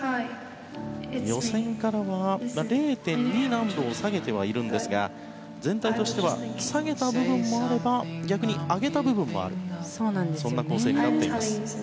予選からは０．２難度を下げていますが全体としては下げた部分もあれば逆に上げた部分もあるそんな構成になっています。